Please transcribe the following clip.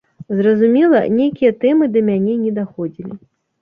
Зразумела, нейкія тэмы да мяне не даходзілі.